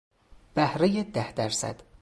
بهرهی ده درصد